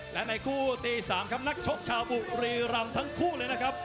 และในคู่ตี๓ครับนักชกชาวบุรีรำทั้งคู่เลยนะครับ